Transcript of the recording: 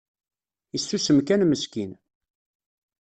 Isusem kan meskin